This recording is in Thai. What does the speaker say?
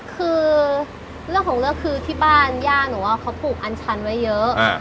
คือเรื่องของเรื่องคือที่บ้านย่าหนูเขาปลูกอัญชันไว้เยอะ